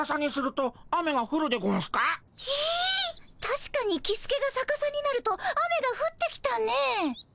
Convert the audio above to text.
たしかにキスケがさかさになると雨がふってきたねぇ。